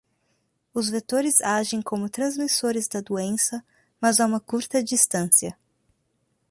Os vetores agem como transmissores da doença, mas a uma curta distância.